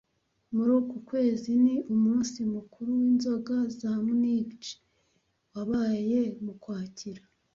Muri uku kwezi ni umunsi mukuru w'inzoga za Munich wabaye mu Kwakira